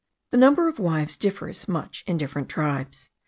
The number of wives differs much in different tribes.